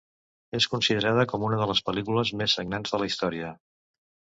És considerada com una de les pel·lícules més sagnants de la història.